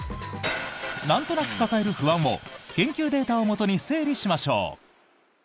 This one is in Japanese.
なんとなく抱える不安を研究データをもとに整理しましょう。